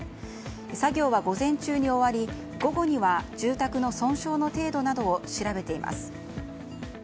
作業は午前中に終わり午後には住宅の損傷の程度などを調べています。